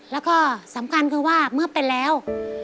แล้วก็สำคัญคือว่าเมื่อเป็นแล้ว